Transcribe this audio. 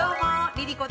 ＬｉＬｉＣｏ